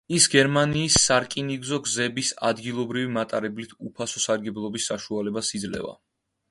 ის გერმანიის სარკინიგზო გზების ადგილობრივი მატარებლებით უფასო სარგებლობის საშუალებას იძლევა.